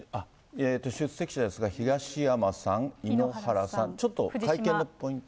出席者ですが、東山さん、井ノ原さん、ちょっと、会見のポイント。